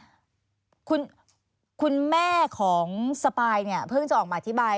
คุณแม่ของสปายเนี่ยเพิ่งจะออกมาอธิบาย